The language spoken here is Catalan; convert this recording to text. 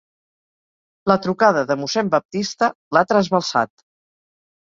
La trucada de mossèn Baptista l'ha trasbalsat.